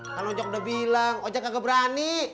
kan ojak udah bilang ojak kagak berani